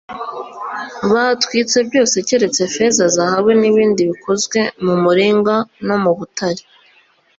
batwitse byose keretse feza, zahabu n’ibindi bikozwe mu muringa no mu butare.